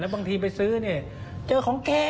แล้วบางทีไปซื้อเจอของเก๋